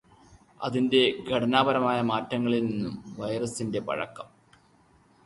അതിന്റെ ഘടനാപരമായ മാറ്റങ്ങളിൽ നിന്നും വൈറസിന്റെ പഴക്കം